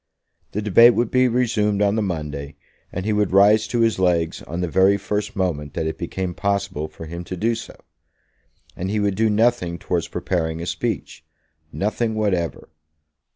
The debate would be resumed on the Monday, and he would rise to his legs on the very first moment that it became possible for him to do so. And he would do nothing towards preparing a speech; nothing whatever.